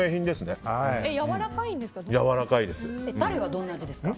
やわらかいんですか？